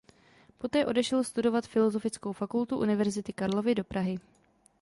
Poté odešel studovat Filozofickou fakultu Univerzity Karlovy do Prahy.